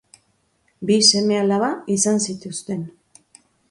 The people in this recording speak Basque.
Bi seme alaba izan zituzten.